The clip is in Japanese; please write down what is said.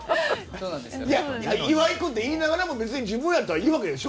岩井君って言いながらも自分やったらいいわけでしょ。